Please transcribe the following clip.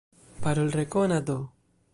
Parolrekonado.